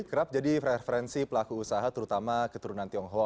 kerap jadi preferensi pelaku usaha terutama keturunan tionghoa